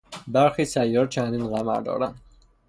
برخی سیارات چندین قمر دارند.